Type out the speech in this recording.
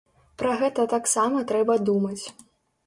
Пра гэта таксама трэба думаць.